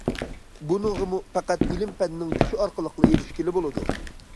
بۇنىڭغىمۇ پەقەت ئىلىم- پەننىڭ كۈچى ئارقىلىقلا ئېرىشكىلى بولىدۇ.